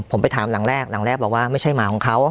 ผมไปถามหลังแรกหลังแรกบอกว่าไม่ใช่หมาของเขา